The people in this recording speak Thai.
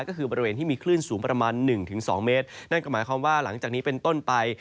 ก็คือบริเวณที่มีคลื่นสูงประมาณหนึ่งถึงสองเมตรนั่นก็หมายความว่าหลังจากนี้เป็นต้นไป